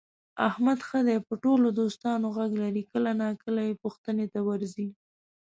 احمد ښه دی په ټول دوستانو غږ لري، کله ناکله یې پوښتنې ته ورځي.